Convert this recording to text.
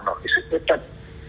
và sức nguyên tâm